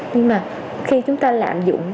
nhưng mà khi chúng ta lạm dụng